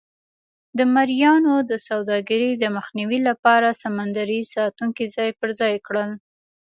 د مریانو د سوداګرۍ د مخنیوي لپاره سمندري ساتونکي ځای پر ځای کړل.